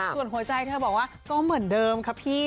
ส่วนหัวใจเธอบอกว่าก็เหมือนเดิมค่ะพี่